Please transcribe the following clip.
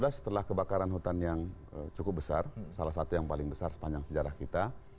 dua ribu lima belas setelah kebakaran hutan yang cukup besar salah satu yang paling besar sepanjang sejarah kita